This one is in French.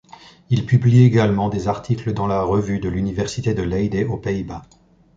Il publie également des articles dans la revue de l'université de Leyde, aux Pays-Bas.